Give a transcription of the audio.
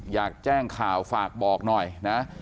อยากแจ้งข่าวฝากบอกหน่อยนะ